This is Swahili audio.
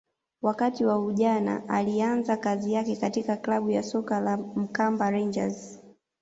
wakati wa ujana alianza kazi yake katika klabu ya soka ya Mkamba rangers